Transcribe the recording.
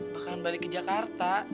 bakalan balik ke jakarta